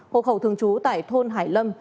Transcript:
hộ khẩu thường trú tại thôn hải lâm